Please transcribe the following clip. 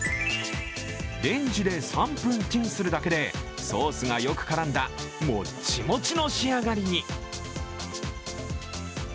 レンジで３分チンするだけでソースがよく絡んだもっちもちの仕上がりに。